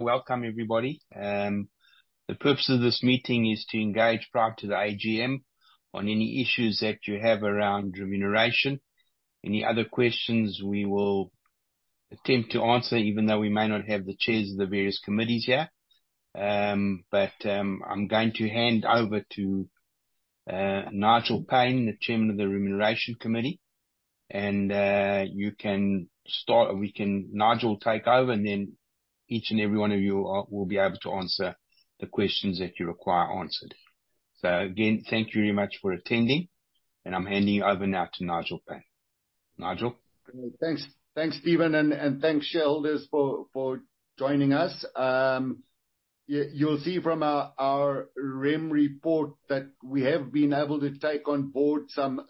Welcome, everybody. The purpose of this meeting is to engage prior to the AGM on any issues that you have around remuneration. Any other questions, we will attempt to answer, even though we may not have the chairs of the various committees here. I'm going to hand over to Nigel Payne, the Chairman of the Remuneration Committee, and you can start. Nigel, take over, and then each and every one of you will be able to answer the questions that you require answered. So again, thank you very much for attending, and I'm handing you over now to Nigel Payne. Nigel? Thanks. Thanks, Stephen, and thanks, shareholders, for joining us. You'll see from our rem report that we have been able to take on board some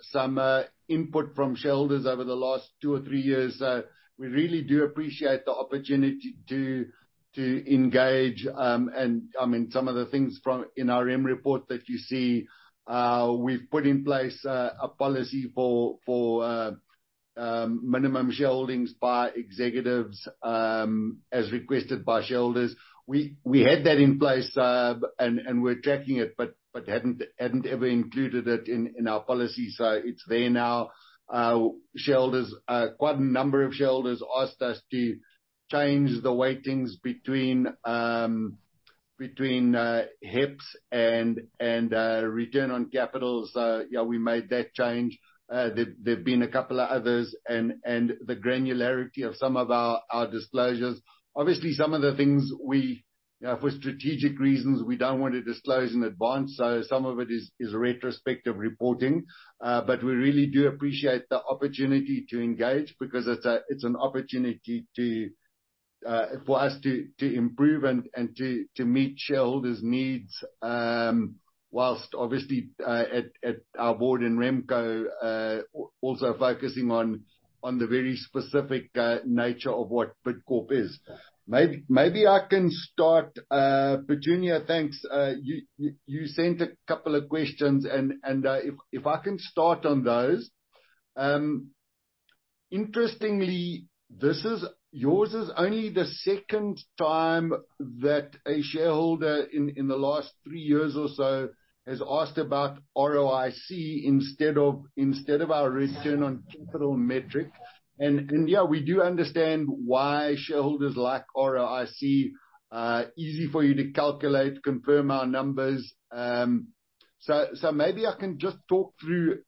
input from shareholders over the last two or three years. We really do appreciate the opportunity to engage, and I mean, some of the things from in our Rem report that you see, we've put in place a policy for minimum shareholdings by executives, as requested by shareholders. We had that in place, and we're tracking it, but hadn't ever included it in our policy, so it's there now. Shareholders, quite a number of shareholders asked us to change the weightings between HEPS and return on capital. So, yeah, we made that change. There've been a couple of others, and the granularity of some of our disclosures. Obviously, some of the things we, for strategic reasons, we don't want to disclose in advance, so some of it is retrospective reporting. But we really do appreciate the opportunity to engage, because it's an opportunity to, for us to improve and to meet shareholders' needs, whilst obviously, at our board in RemCo, also focusing on the very specific nature of what Bidcorp is. Maybe I can start, Petunia. Thanks, you sent a couple of questions, and if I can start on those. Interestingly, yours is only the second time that a shareholder in the last three years or so has asked about ROIC instead of our return on capital metric. And yeah, we do understand why shareholders like ROIC. Easy for you to calculate, confirm our numbers. So maybe I can just talk through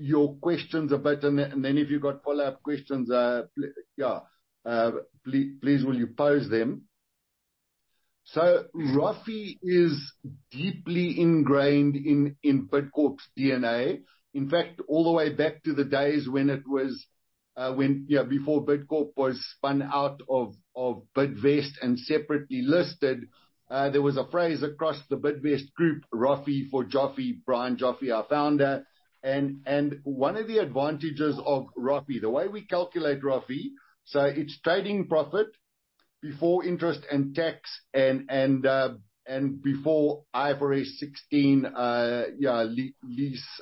your questions a bit, and then if you've got follow-up questions, please will you pose them? So ROFE is deeply ingrained in Bidcorp's DNA. In fact, all the way back to the days when it was, when before Bidcorp was spun out of Bidvest and separately listed, there was a phrase across the Bidvest group, "ROFE for Joffe," Brian Joffe, our founder. One of the advantages of ROFE, the way we calculate ROFE, so it's trading profit before interest and tax and before IFRS 16 lease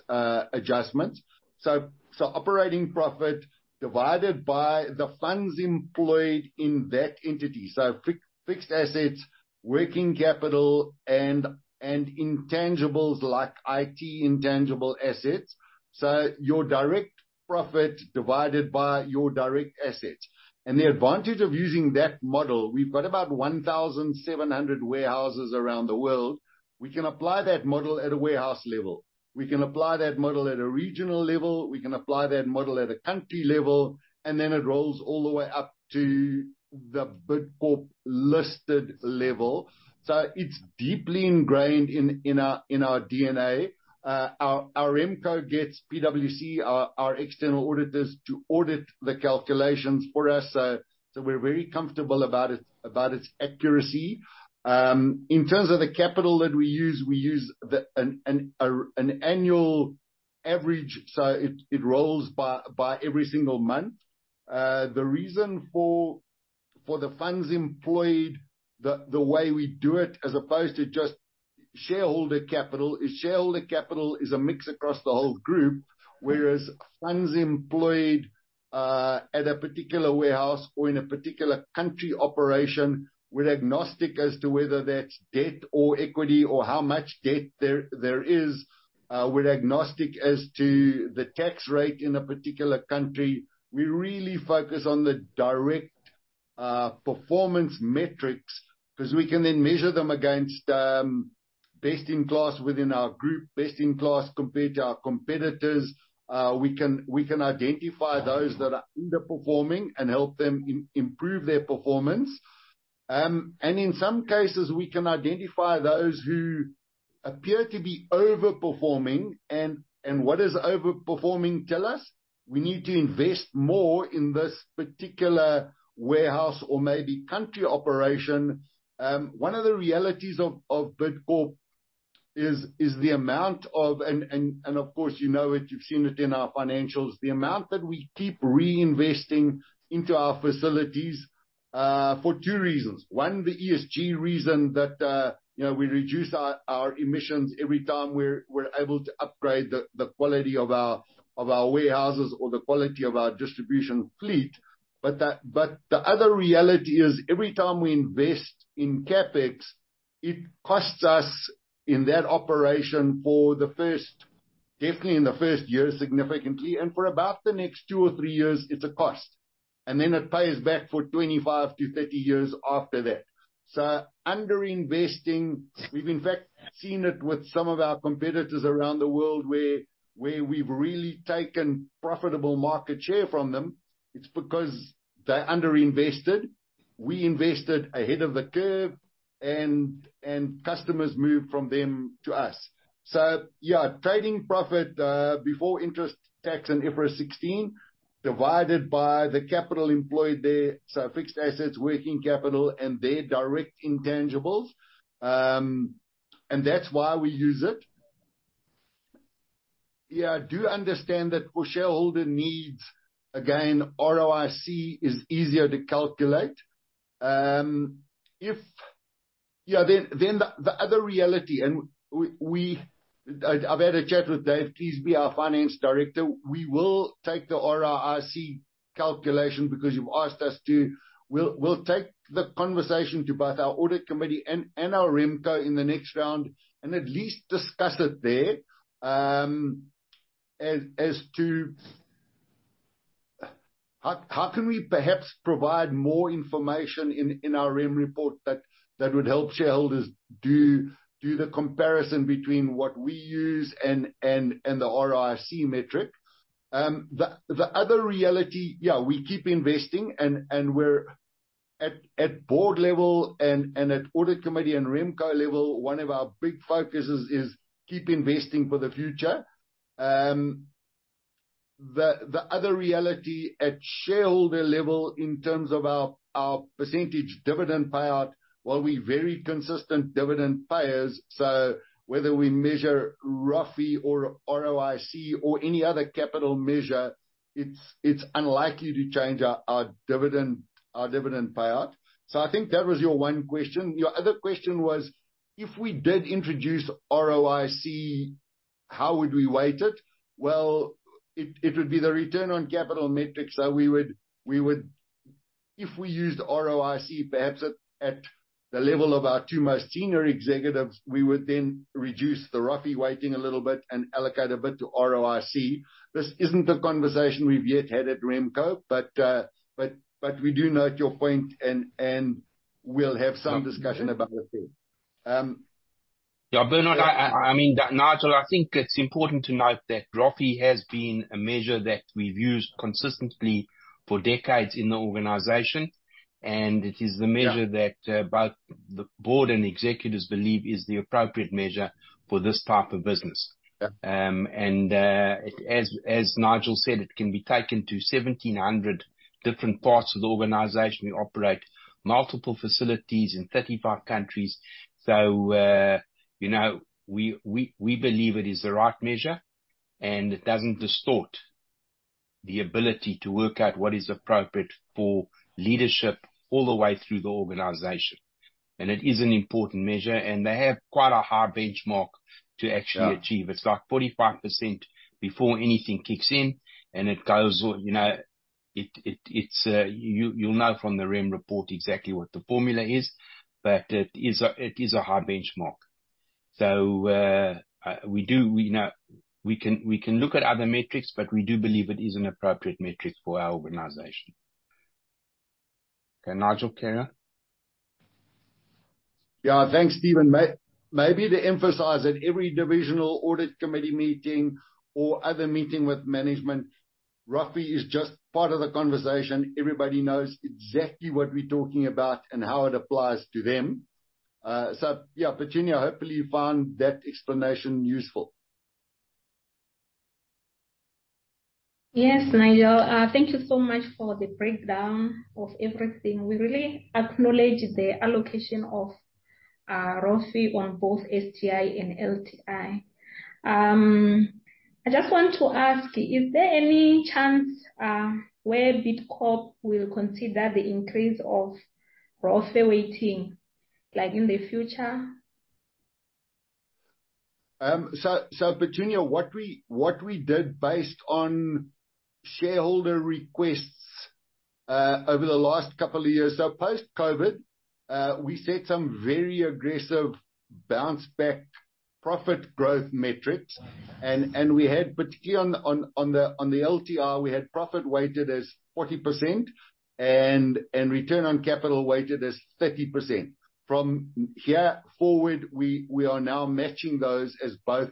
adjustments. So operating profit divided by the funds employed in that entity, so fixed assets, working capital, and intangibles, like IT intangible assets. So your direct profit divided by your direct assets. The advantage of using that model, we've got about 1,700 warehouses around the world. We can apply that model at a warehouse level. We can apply that model at a regional level. We can apply that model at a country level, and then it rolls all the way up to the Bidcorp listed level. So it's deeply ingrained in our DNA. Our RemCo gets PwC, our external auditors, to audit the calculations for us, so we're very comfortable about it, about its accuracy. In terms of the capital that we use, we use an annual average, so it rolls by every single month. The reason for the funds employed, the way we do it, as opposed to just shareholder capital, is shareholder capital is a mix across the whole group, whereas funds employed at a particular warehouse or in a particular country operation, we're agnostic as to whether that's debt or equity or how much debt there is. We're agnostic as to the tax rate in a particular country. We really focus on the direct, performance metrics, 'cause we can then measure them against, best in class within our group, best in class compared to our competitors. We can identify those that are underperforming and help them improve their performance. And in some cases, we can identify those who appear to be overperforming. And what does overperforming tell us? We need to invest more in this particular warehouse or maybe country operation. One of the realities of Bidcorp is the amount of... Of course, you know it, you've seen it in our financials, the amount that we keep reinvesting into our facilities for two reasons: one, the ESG reason that you know, we reduce our emissions every time we're able to upgrade the quality of our warehouses or the quality of our distribution fleet. But the other reality is, every time we invest in CapEx. It costs us in that operation for the first, definitely in the first year, significantly, and for about the next two or three years, it's a cost, and then it pays back for 25-30 years after that. So, underinvesting, we've in fact seen it with some of our competitors around the world, where we've really taken profitable market share from them. It's because they underinvested. We invested ahead of the curve, and customers moved from them to us. So, yeah, trading profit before interest, tax, and IFRS 16, divided by the capital employed there, so fixed assets, working capital, and their direct intangibles. And that's why we use it. Yeah, I do understand that for shareholder needs, again, ROIC is easier to calculate. Yeah, then the other reality, and I've had a chat with Dave Cleasby, our finance director. We will take the ROIC calculation because you've asked us to. We'll take the conversation to both our Audit Committee and our RemCo in the next round and at least discuss it there. As to... How can we perhaps provide more information in our REM report that would help shareholders do the comparison between what we use and the ROIC metric? The other reality, yeah, we keep investing, and we're at board level and at Audit Committee and RemCo level, one of our big focuses is keep investing for the future. The other reality at shareholder level, in terms of our percentage dividend payout, while we're very consistent dividend payers, so whether we measure ROFE or ROIC or any other capital measure, it's unlikely to change our dividend payout. So I think that was your one question. Your other question was, if we did introduce ROIC, how would we weight it? It would be the return on capital metrics that we would, if we used ROIC, perhaps at the level of our two most senior executives, we would then reduce the ROFE weighting a little bit and allocate a bit to ROIC. This isn't a conversation we've yet had at RemCo, but we do note your point, and we'll have some discussion about it then. Yeah, Bernard, I mean, Nigel, I think it's important to note that ROFE has been a measure that we've used consistently for decades in the organization, and it is the measure- Yeah... that both the board and executives believe is the appropriate measure for this type of business. Yeah. And as Nigel said, it can be taken to 1,700 different parts of the organization. We operate multiple facilities in 35 countries, so you know, we believe it is the right measure, and it doesn't distort the ability to work out what is appropriate for leadership all the way through the organization, and it is an important measure, and they have quite a high benchmark to actually achieve. Yeah. It's like 45% before anything kicks in, and it goes, you know. You'll know from the RemCo report exactly what the formula is, but it is a high benchmark. So, we do, you know, we can look at other metrics, but we do believe it is an appropriate metric for our organization. Okay, Nigel, carry on. Yeah, thanks, Stephen. Maybe to emphasize that every divisional Audit Committee meeting or other meeting with management, ROFE is just part of the conversation. Everybody knows exactly what we're talking about and how it applies to them. So yeah, Petunia, hopefully you found that explanation useful. Yes, Nigel. Thank you so much for the breakdown of everything. We really acknowledge the allocation of ROFE on both STI and LTI. I just want to ask, is there any chance where Bidcorp will consider the increase of ROFE weighting, like, in the future? So, Petunia, what we did based on shareholder requests over the last couple of years. So post-COVID, we set some very aggressive bounce back profit growth metrics, and we had, particularly on the LTI, profit weighted as 40% and return on capital weighted as 30%. From here forward, we are now matching those as both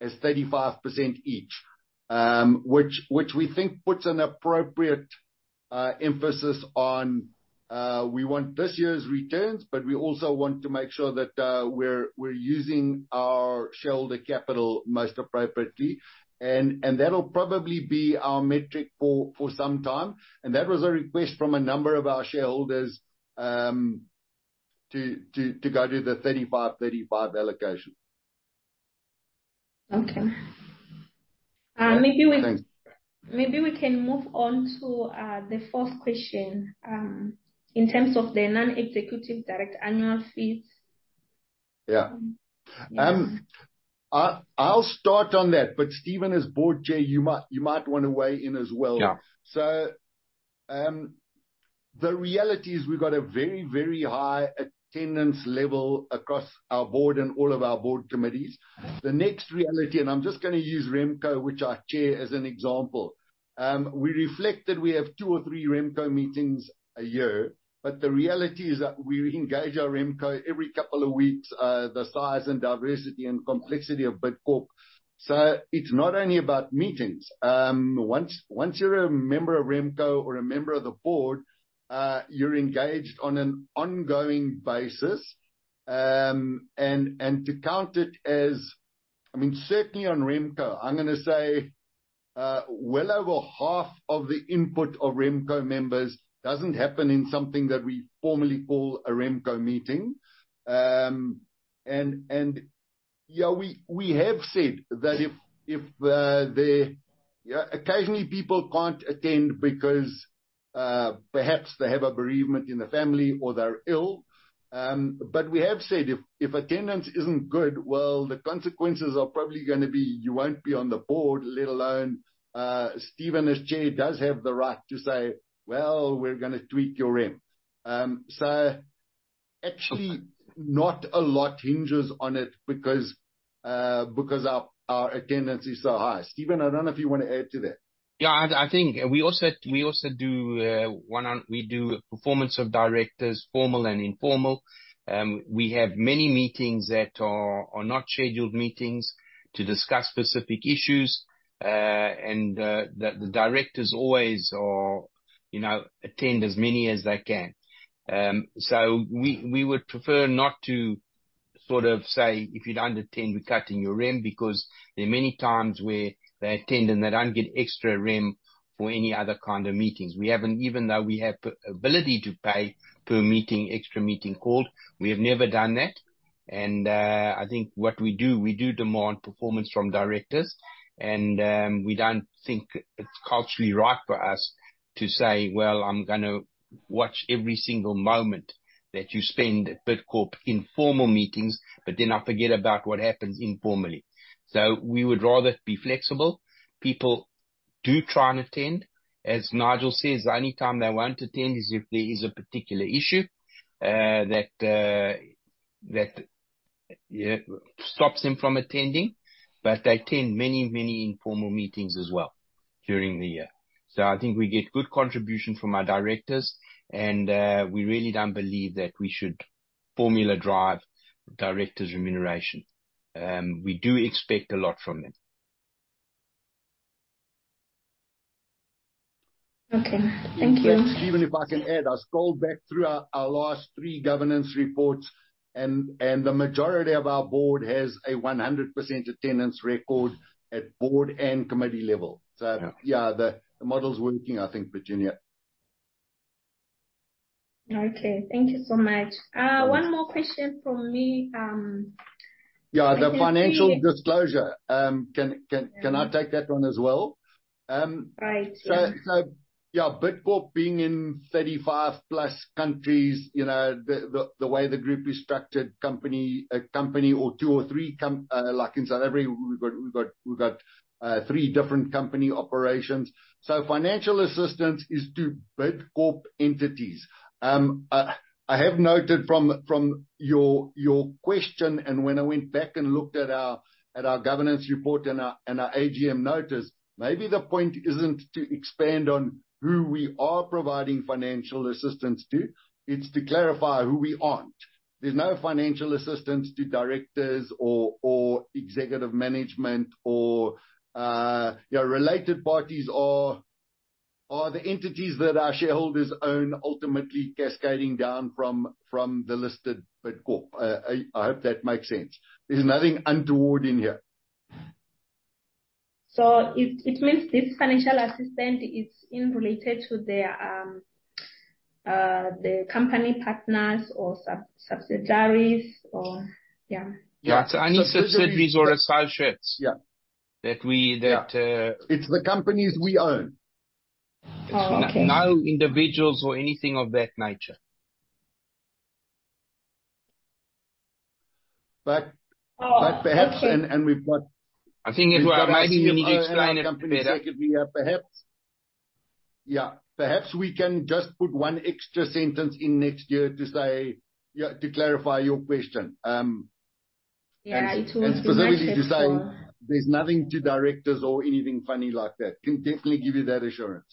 as 35% each, which we think puts an appropriate emphasis on. We want this year's returns, but we also want to make sure that we're using our shareholder capital most appropriately. And that'll probably be our metric for some time, and that was a request from a number of our shareholders to go do the 35-35 allocation. Okay. Thanks. Maybe we can move on to the fourth question in terms of the non-executive director annual fees. Yeah. Um- I'll start on that, but Stephen, as board chair, you might want to weigh in as well. Yeah. The reality is we've got a very, very high attendance level across our board and all of our board committees. The next reality, and I'm just gonna use RemCo, which I chair, as an example. We reflect that we have two or three RemCo meetings a year, but the reality is that we engage our RemCo every couple of weeks, the size and diversity and complexity of Bidcorp. So it's not only about meetings. Once you're a member of RemCo or a member of the board, you're engaged on an ongoing basis. And to count it as- I mean, certainly on RemCo, I'm gonna say, well over half of the input of RemCo members doesn't happen in something that we formally call a RemCo meeting. And, yeah, we have said that if, the... Yeah, occasionally people can't attend because, perhaps they have a bereavement in the family or they're ill. But we have said, if attendance isn't good, well, the consequences are probably gonna be you won't be on the board, let alone, Stephen, as chair, does have the right to say, "Well, we're gonna tweak your rem." So actually, not a lot hinges on it because our attendance is so high. Stephen, I don't know if you want to add to that. Yeah, I think we also do performance of directors, formal and informal. We have many meetings that are not scheduled meetings to discuss specific issues. The directors always, you know, attend as many as they can. So we would prefer not to sort of say, "If you don't attend, we're cutting your rem," because there are many times where they attend and they don't get extra rem for any other kind of meetings. We haven't. Even though we have ability to pay per meeting, extra meeting called, we have never done that. I think what we do, we do demand performance from directors, and we don't think it's culturally right for us to say, "Well, I'm gonna watch every single moment that you spend at Bidcorp in formal meetings, but then I forget about what happens informally." So we would rather be flexible. People do try and attend. As Nigel says, the only time they won't attend is if there is a particular issue that, yeah, stops them from attending, but they attend many, many informal meetings as well during the year. So I think we get good contribution from our directors, and we really don't believe that we should formula drive directors' remuneration. We do expect a lot from them. Okay, thank you. Stephen, if I can add, I scrolled back through our last three governance reports, and the majority of our board has a 100% attendance record at board and committee level. Yeah. So, yeah, the model's working, I think, Virginia. Okay. Thank you so much. One more question from me, Yeah, the financial disclosure, can I take that one as well? Right, yes. Yeah, Bidcorp being in 35 plus countries, you know, the way the group is structured, a company or two or three companies, like in South Africa, we've got three different company operations. So financial assistance is to Bidcorp entities. I have noted from your question and when I went back and looked at our governance report and our AGM notice, maybe the point isn't to expand on who we are providing financial assistance to, it's to clarify who we aren't. There's no financial assistance to directors or executive management or, you know, related parties or the entities that our shareholders own, ultimately cascading down from the listed Bidcorp. I hope that makes sense. There's nothing untoward in here. So it means this financial assistance is in related to their, the company partners or sub-subsidiaries or... Yeah. Yeah, it's only subsidiaries or associates- Yeah... That we Yeah. It's the companies we own. Oh, okay. No individuals or anything of that nature. But perhaps- Oh, okay. We've got- I think it might need to explain it better. Perhaps, yeah. Perhaps we can just put one extra sentence in next year to say... Yeah, to clarify your question. Yeah, it was much more- Specifically saying there's nothing to directors or anything funny like that. Can definitely give you that assurance.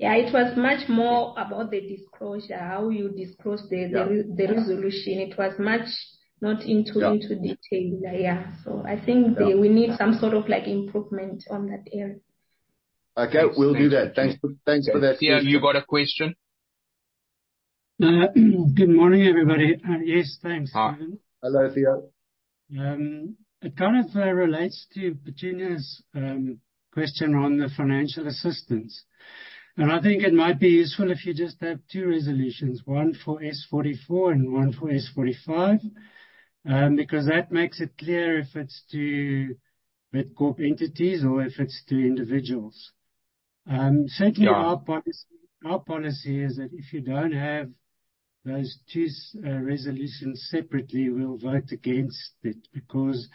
Yeah, it was much more about the disclosure, how you disclose the- Yeah... the resolution. It was not much into detail. Yeah. Yeah, so I think we need some sort of, like, improvement on that area. Okay, we'll do that. Thanks for, thanks for that. Theo, you've got a question? Good morning, everybody. Yes, thanks. Hi. Hello, Theo. It kind of relates to Virginia's question on the financial assistance, and I think it might be useful if you just have two resolutions, one for S44 and one for S45, because that makes it clear if it's to Bidcorp entities or if it's to individuals. Certainly- Yeah Our policy is that if you don't have those two resolutions separately, we'll vote against it, because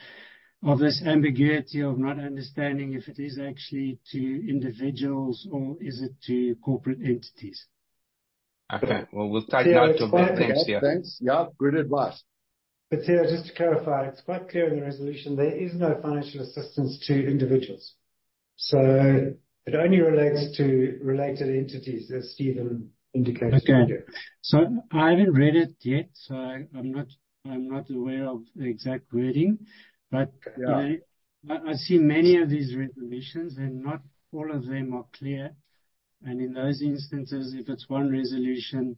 of this ambiguity of not understanding if it is actually to individuals, or is it to corporate entities? Okay, well, we'll take note of that, thanks, yeah. Thanks. Yeah, great advice. But, Theo, just to clarify, it's quite clear in the resolution there is no financial assistance to individuals, so it only relates to related entities, as Stephen indicated. Okay. I haven't read it yet, so I'm not aware of the exact wording. Yeah. You know, I see many of these resolutions, and not all of them are clear, and in those instances, if it's one resolution,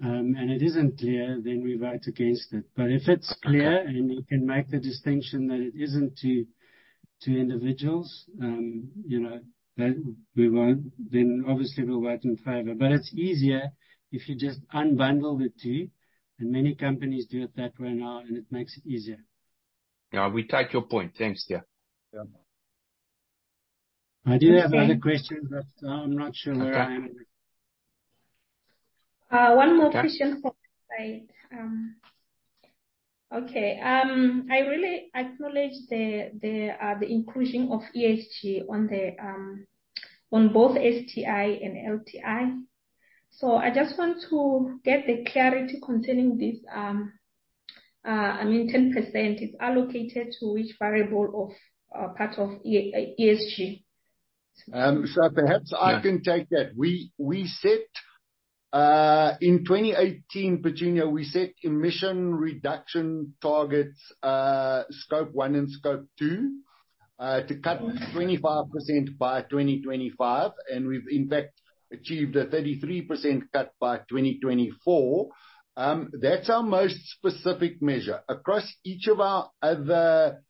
and it isn't clear, then we vote against it. Okay. But if it's clear, and you can make the distinction that it isn't to individuals, you know, then obviously we'll vote in favor. But it's easier if you just unbundle the two, and many companies do it that way now, and it makes it easier. Yeah, we take your point. Thanks, Theo. Yeah. I do have other questions, but I'm not sure where I am with- Okay. One more question from my side. I really acknowledge the inclusion of ESG on both STI and LTI. So I just want to get the clarity concerning this. I mean, 10% is allocated to which variable of part of ESG? Perhaps I can take that. We set in 2018 emission reduction targets, Scope 1 and Scope 2, to cut 25% by 2025, and we've in fact achieved a 33% cut by 2024. That's our most specific measure. Across each of our other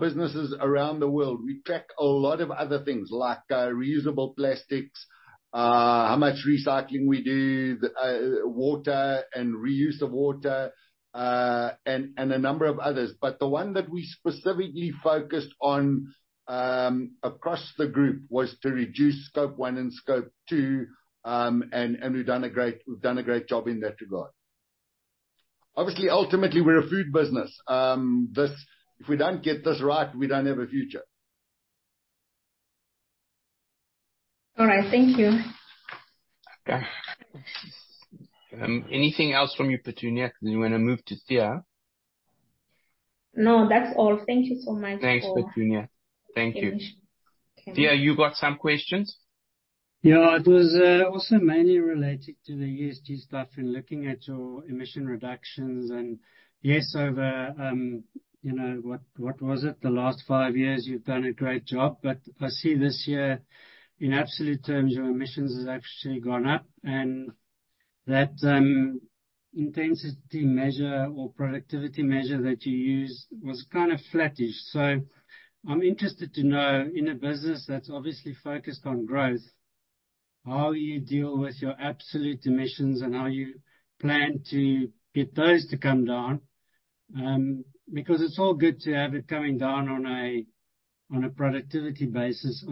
businesses around the world, we track a lot of other things, like reusable plastics, how much recycling we do, the water and reuse of water, and a number of others. But the one that we specifically focused on across the group was to reduce Scope 1 and Scope 2, and we've done a great job in that regard. Obviously, ultimately, we're a food business. This, if we don't get this right, we don't have a future. All right. Thank you. Okay. Anything else from you, Petunia? Because we wanna move to Theo. No, that's all. Thank you so much for- Thanks, Petunia. Thank you. Okay. Theo, you've got some questions? Yeah, it was also mainly related to the ESG stuff, in looking at your emission reductions, and yes, over, you know, what, what was it? The last five years, you've done a great job. But I see this year, in absolute terms, your emissions has actually gone up, and that intensity measure or productivity measure that you use was kind of flattish. So I'm interested to know, in a business that's obviously focused on growth, how you deal with your absolute emissions and how you plan to get those to come down. Because it's all good to have it coming down on a productivity basis.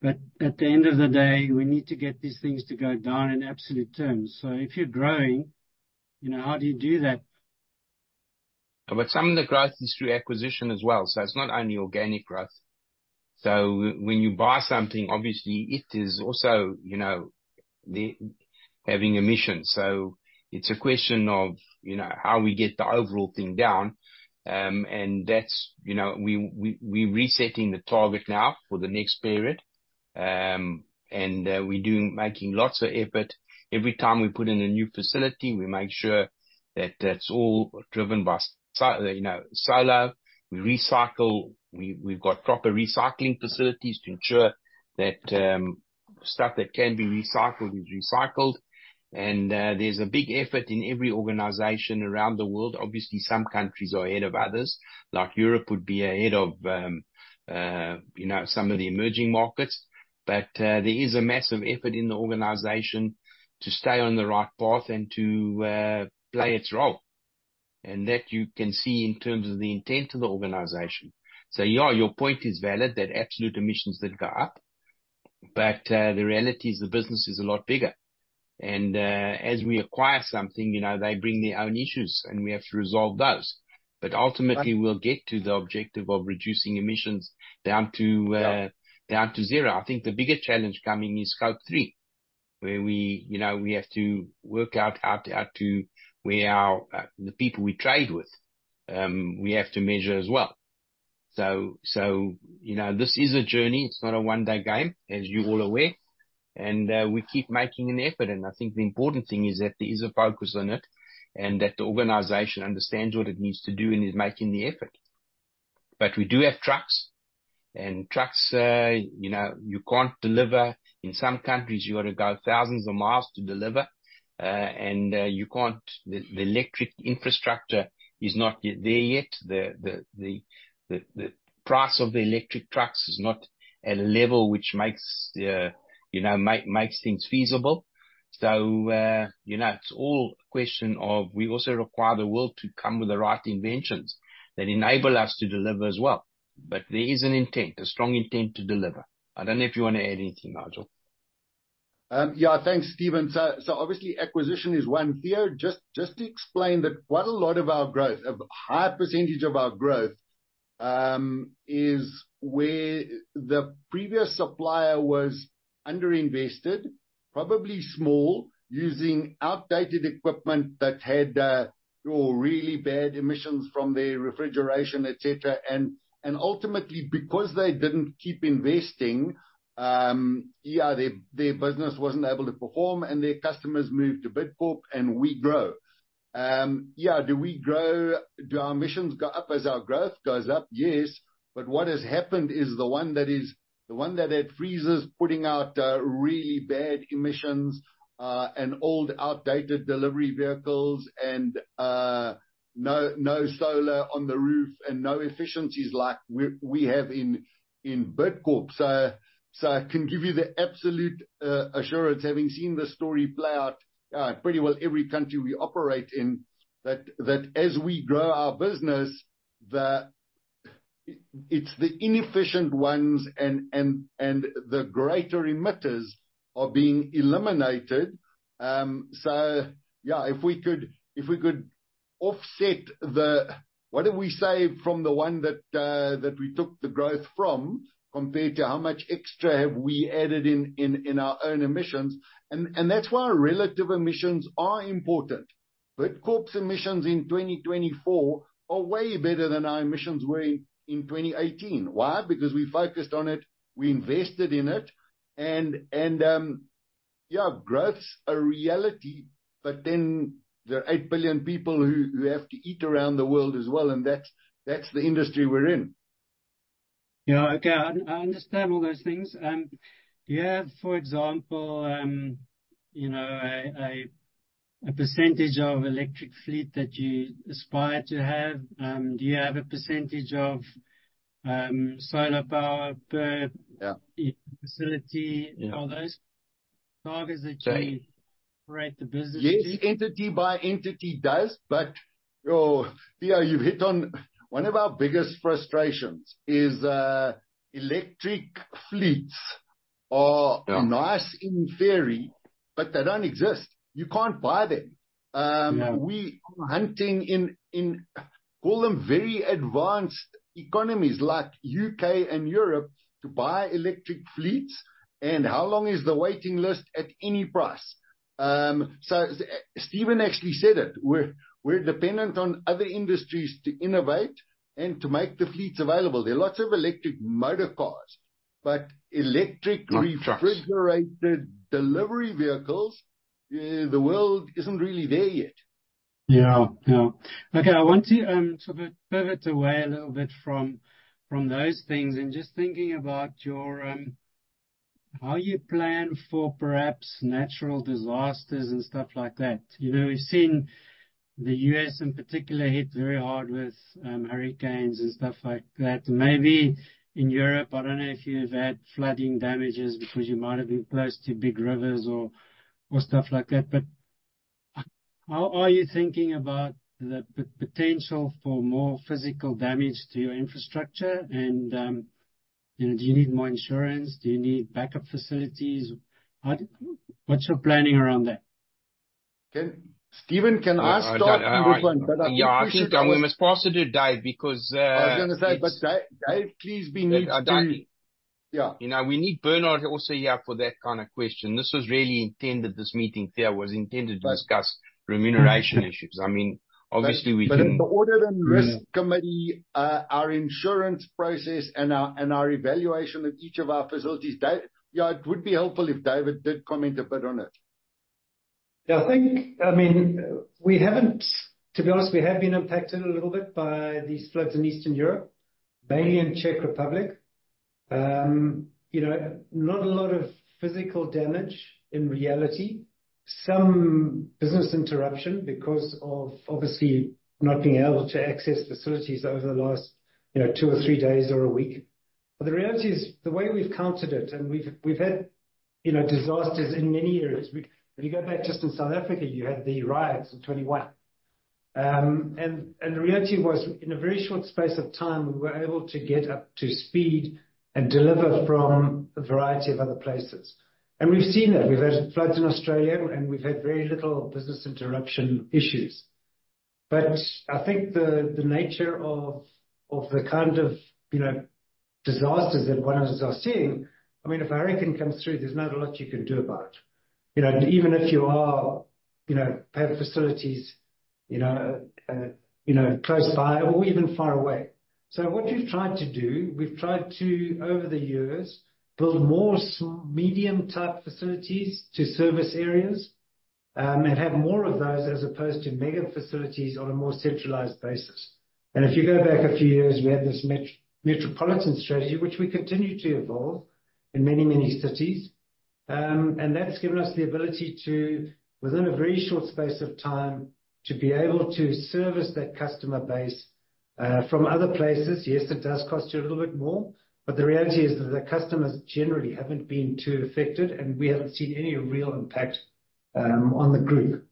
But at the end of the day, we need to get these things to go down in absolute terms. So if you're growing, you know, how do you do that? But some of the growth is through acquisition as well, so it's not only organic growth. So when you buy something, obviously it is also, you know, the having emissions. So it's a question of, you know, how we get the overall thing down. And that's, you know, we're resetting the target now for the next period, and we're making lots of effort. Every time we put in a new facility, we make sure that that's all driven by, you know, solar. We recycle. We've got proper recycling facilities to ensure that stuff that can be recycled is recycled. And there's a big effort in every organization around the world. Obviously, some countries are ahead of others, like Europe would be ahead of, you know, some of the emerging markets. But, there is a massive effort in the organization to stay on the right path and to play its role, and that you can see in terms of the intent of the organization. So, yeah, your point is valid, that absolute emissions did go up, but the reality is the business is a lot bigger. And, as we acquire something, you know, they bring their own issues, and we have to resolve those. But ultimately, we'll get to the objective of reducing emissions down to zero. I think the bigger challenge coming is Scope 3, where we, you know, we have to work out how to where our the people we trade with we have to measure as well. So, you know, this is a journey. It's not a one-day game, as you're all aware, and we keep making an effort, and I think the important thing is that there is a focus on it, and that the organization understands what it needs to do and is making the effort, but we do have trucks, and you know, you can't deliver. In some countries, you gotta go thousands of miles to deliver, and you can't. The price of the electric trucks is not at a level which makes, you know, makes things feasible, so you know, it's all a question of, we also require the world to come with the right inventions that enable us to deliver as well.... but there is an intent, a strong intent to deliver. I don't know if you wanna add anything, Nigel? Yeah, thanks, Stephen. So obviously acquisition is one. Theo, just to explain that quite a lot of our growth, a high percentage of our growth, is where the previous supplier was underinvested, probably small, using outdated equipment that had really bad emissions from their refrigeration, et cetera. And ultimately, because they didn't keep investing, their business wasn't able to perform, and their customers moved to Bidcorp, and we grow. Do we grow? Do our emissions go up as our growth goes up? Yes. But what has happened is the one that had freezers putting out really bad emissions, and old, outdated delivery vehicles and no solar on the roof and no efficiencies like we have in Bidcorp. So, I can give you the absolute assurance, having seen this story play out in pretty well every country we operate in, that as we grow our business, it's the inefficient ones and the greater emitters are being eliminated. So yeah, if we could offset the... what did we save from the one that we took the growth from, compared to how much extra have we added in our own emissions, and that's why relative emissions are important. Bidcorp's emissions in 2024 are way better than our emissions were in 2018. Why? Because we focused on it, we invested in it, and yeah, growth's a reality, but then there are eight billion people who have to eat around the world as well, and that's the industry we're in. Yeah, okay. I understand all those things. Do you have, for example, you know, a percentage of electric fleet that you aspire to have? Do you have a percentage of solar power per- Yeah - facility? Yeah. Are those targets that you operate the business? Yes, entity by entity does, but, oh, Theo, you've hit on one of our biggest frustrations is, electric fleets are- Yeah... Nice in theory, but they don't exist. You can't buy them. Yeah. We're hunting in what we call very advanced economies, like U.K. and Europe, to buy electric fleets, and how long is the waiting list at any price? So Stephen actually said it. We're dependent on other industries to innovate and to make the fleets available. There are lots of electric motor cars, but electric- Not trucks... refrigerated delivery vehicles, the world isn't really there yet. Yeah. Yeah. Okay, I want to sort of pivot away a little bit from, from those things and just thinking about your how you plan for perhaps natural disasters and stuff like that. You know, we've seen the U.S. in particular hit very hard with hurricanes and stuff like that. Maybe in Europe, I don't know if you've had flooding damages because you might have been close to big rivers or, or stuff like that, but how are you thinking about the potential for more physical damage to your infrastructure? And you know, do you need more insurance? Do you need backup facilities? How, what's your planning around that? Stephen, can I start on this one? Yeah, I think, we must pass it to Dave, because, it's- I was gonna say, but Dave, please be mute, Dave. Yeah. You know, we need Bernard also here for that kind of question. This was really intended, this meeting, Theo, was intended to discuss remuneration issues. I mean, obviously, we can- But the audit and risk committee, our insurance process and our evaluation of each of our facilities, Dave. Yeah, it would be helpful if David did comment a bit on it. Yeah, I think. I mean, we haven't. To be honest, we have been impacted a little bit by these floods in Eastern Europe, mainly in Czech Republic. You know, not a lot of physical damage in reality. Some business interruption because of obviously not being able to access facilities over the last, you know, two or three days or a week, but the reality is, the way we've counted it, and we've had, you know, disasters in many areas. If you go back just in South Africa, you had the riots in 2021, and the reality was, in a very short space of time, we were able to get up to speed and deliver from a variety of other places, and we've seen it. We've had floods in Australia, and we've had very little business interruption issues. I think the nature of the kind of disasters that one of us are seeing. I mean, if a hurricane comes through, there's not a lot you can do about it. You know, even if you are you know have facilities you know close by or even far away. What we've tried to do, we've tried to over the years build more small-medium-type facilities to service areas and have more of those as opposed to mega facilities on a more centralized basis. If you go back a few years, we had this metropolitan strategy, which we continue to evolve in many many cities. And that's given us the ability to within a very short space of time to be able to service that customer base from other places. Yes, it does cost you a little bit more, but the reality is that the customers generally haven't been too affected, and we haven't seen any real impact on the group.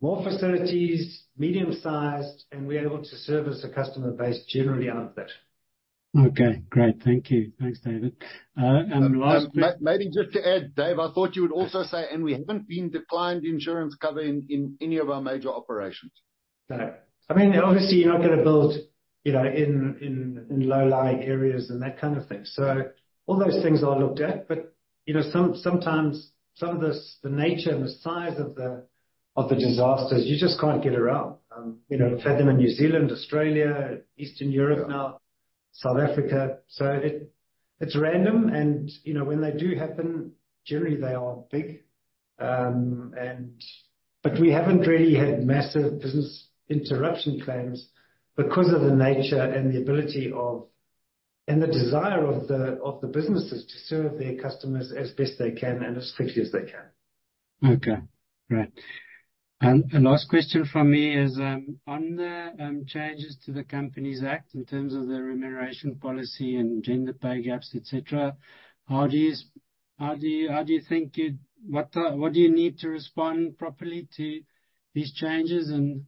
More facilities, medium-sized, and we're able to service the customer base generally out of that. Okay, great. Thank you. Thanks, David, and last- Maybe just to add, Dave, I thought you would also say, "And we haven't been declined insurance cover in any of our major operations. No. I mean, obviously you're not gonna build, you know, in low-lying areas and that kind of thing. So all those things are looked at, but, you know, sometimes some of the nature and the size of the disasters, you just can't get around. You know, we've had them in New Zealand, Australia, Eastern Europe now, South Africa. So it's random and, you know, when they do happen, generally they are big. But we haven't really had massive business interruption claims because of the nature and the ability of, and the desire of the businesses to serve their customers as best they can and as quickly as they can. Okay. Great. The last question from me is on the changes to the Companies Act in terms of the remuneration policy and gender pay gaps, et cetera, how do you think you... what do you need to respond properly to these changes, and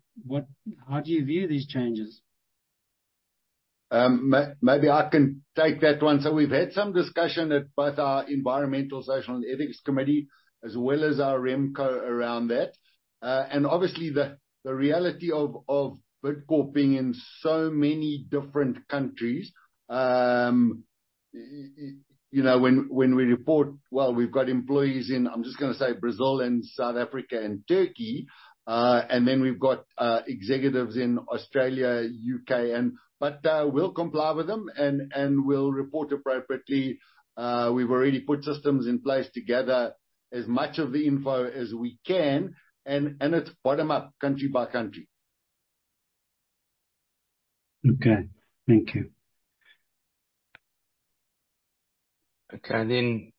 how do you view these changes? Maybe I can take that one, so we've had some discussion at both our Environmental, Social, and Ethics Committee, as well as our RemCo around that, and obviously, the reality of Bidcorp being in so many different countries, you know, when we report. Well, we've got employees in. I'm just gonna say Brazil and South Africa and Turkey, and then we've got executives in Australia, U.K., but we'll comply with them, and we'll report appropriately. We've already put systems in place to gather as much of the info as we can, and it's bottom up, country by country. Okay, thank you. Okay, then,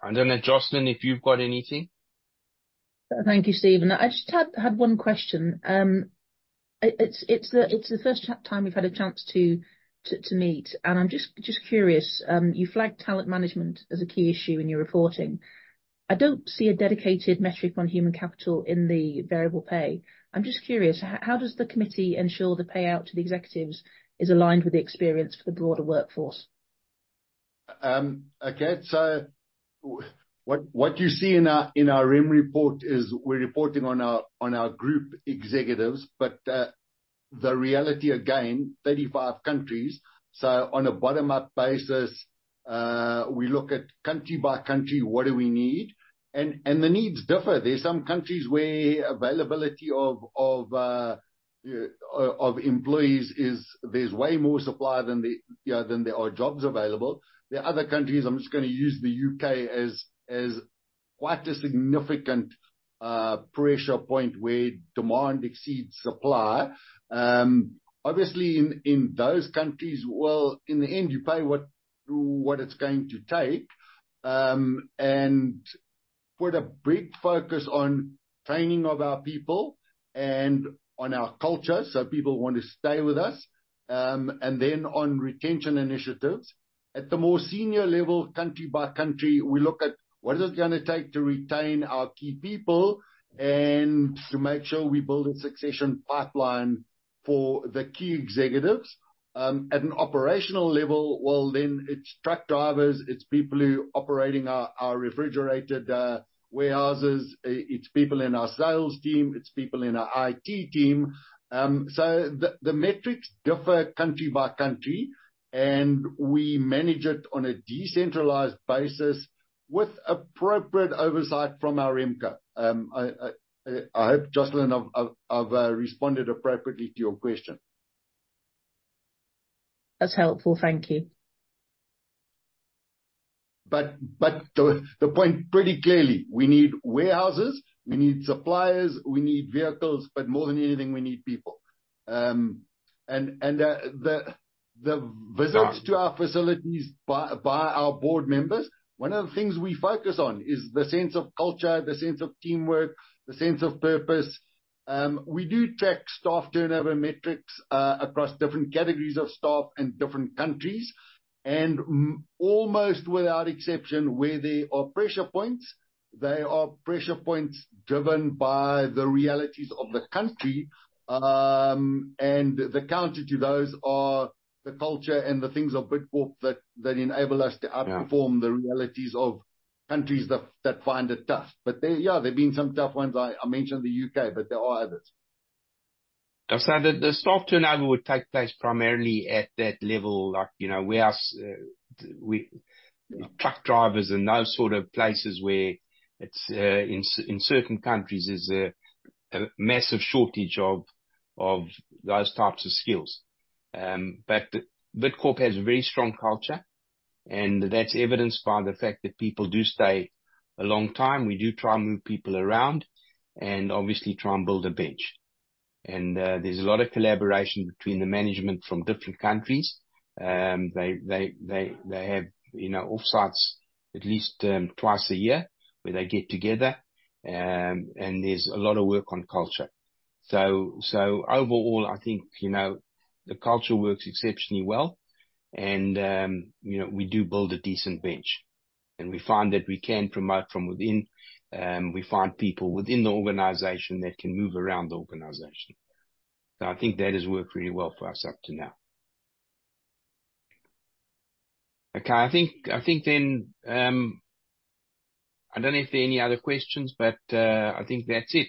I don't know, Jocelyn, if you've got anything? Thank you, Stephen. I just had one question. It's the first time we've had a chance to meet, and I'm just curious, you flagged talent management as a key issue in your reporting. I don't see a dedicated metric on human capital in the variable pay. I'm just curious, how does the committee ensure the payout to the executives is aligned with the experience for the broader workforce? Okay, so what you see in our Rem report is we're reporting on our group executives, but the reality, again, 35 countries. So on a bottom-up basis, we look at country by country, what do we need? And the needs differ. There are some countries where availability of employees is there's way more supply than there are jobs available. There are other countries, I'm just gonna use the U.K. as quite a significant pressure point where demand exceeds supply. Obviously, in those countries, well, in the end, you pay what it's going to take, and put a big focus on training of our people and on our culture, so people want to stay with us, and then on retention initiatives. At the more senior level, country by country, we look at what is it gonna take to retain our key people and to make sure we build a succession pipeline for the key executives. At an operational level, well, then it's truck drivers, it's people who are operating our refrigerated warehouses, it's people in our sales team, it's people in our IT team, so the metrics differ country by country, and we manage it on a decentralized basis with appropriate oversight from our RemCo. I hope, Jocelyn, I've responded appropriately to your question. That's helpful. Thank you. But the point pretty clearly, we need warehouses, we need suppliers, we need vehicles, but more than anything, we need people. And the visits- Yeah... to our facilities by our board members, one of the things we focus on is the sense of culture, the sense of teamwork, the sense of purpose. We do track staff turnover metrics across different categories of staff in different countries, and almost without exception, where there are pressure points, there are pressure points driven by the realities of the country. And the counter to those are the culture and the things of Bidcorp that enable us to- Yeah... outperform the realities of countries that find it tough. But there, yeah, there have been some tough ones. I mentioned the U.K., but there are others. So the staff turnover would take place primarily at that level, like, you know, warehouse, truck drivers and those sort of places where it's in certain countries, there's a massive shortage of those types of skills. But Bidcorp has a very strong culture, and that's evidenced by the fact that people do stay a long time. We do try and move people around, and obviously try and build a bench. And there's a lot of collaboration between the management from different countries. They have, you know, offsites at least twice a year, where they get together, and there's a lot of work on culture. So overall, I think, you know, the culture works exceptionally well and, you know, we do build a decent bench. And we find that we can promote from within, we find people within the organization that can move around the organization. So I think that has worked really well for us up to now. Okay, I think then I don't know if there are any other questions, but I think that's it.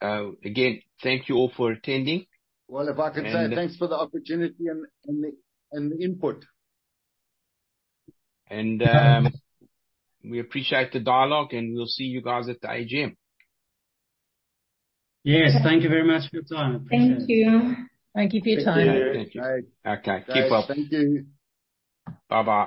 Again, thank you all for attending. If I could say thanks for the opportunity and the input. We appreciate the dialogue, and we'll see you guys at the AGM. Yes, thank you very much for your time. I appreciate it. Thank you. Thank you for your time. Thank you. Thank you. Okay, keep well. Guys, thank you. Bye-bye